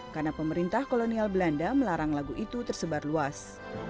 karena pemerintah kolonial belanda melarang lagu itu tersebar luas